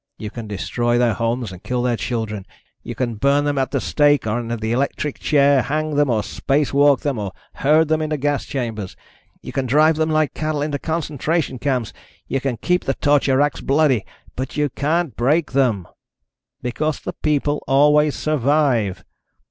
You can destroy their homes and kill their children. You can burn them at the stake or in the electric chair, hang them or space walk them or herd them into gas chambers. You can drive them like cattle into concentration camps, you can keep the torture racks bloody, but you can't break them. "Because the people always survive.